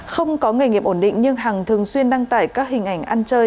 không có nghề nghiệp ổn định nhưng hằng thường xuyên đăng tải các hình ảnh ăn chơi